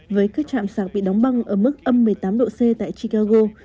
với các trạm sạc bị đóng băng ở mức âm một mươi tám độ c tại chicago